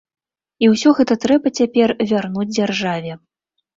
І ўсё гэта трэба цяпер вярнуць дзяржаве.